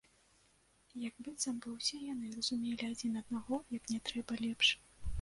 Як быццам бы ўсе яны разумелі адзін аднаго як не трэба лепш.